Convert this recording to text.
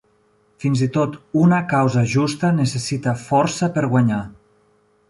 Fins i tot una causa justa necessita força per guanyar.